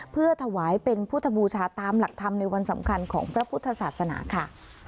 เพื่อถวายเป็นพุทธบูชาตามหลักธรรมในวันสำคัญของพระพุทธศาสนาค่ะ